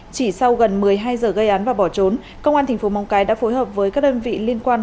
chỉ sau gần một mươi hai h gây án và bỏ trốn công an tp mong cái đã phối hợp với các đơn vị liên quan